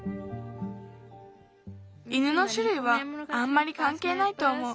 犬のしゅるいはあんまりかんけいないとおもう。